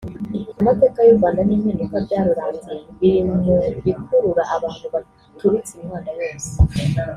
Amateka y’u Rwanda n’impinduka byaruranze biri mu bikurura abantu baturutse imihanda yose